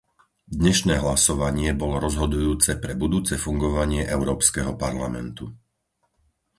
Dnešné hlasovanie bolo rozhodujúce pre budúce fungovanie Európskeho parlamentu.